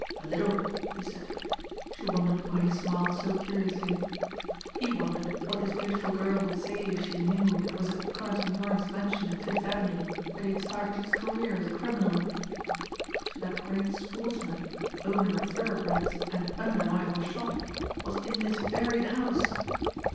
"A little," he said; she wondered why he smiled so curiously. He wondered what this beautiful girl would say if she knew it was at Conington Warren's mansion in Fifth avenue that he had started his career as a criminal. So that great sportsman, owner of thoroughbreds and undeniable shot, was in this very house!